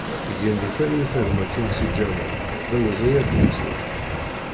Gen di talwit a gma Tunsi Ǧamal, d awezɣi ad k-nettu!